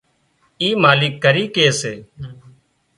اي مالڪ ڪرِي ڪي سي